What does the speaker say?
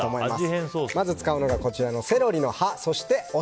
まず使うのがこちらのセロリの葉